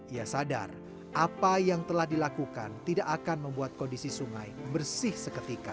ia sadar apa yang telah dilakukan tidak akan membuat kondisi sungai bersih seketika